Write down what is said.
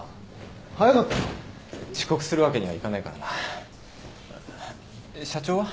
早かったな。遅刻するわけにはいかないからな。社長は？